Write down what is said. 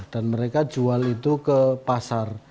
dan mereka jual itu ke pasar